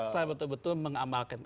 saya betul betul mengamalkan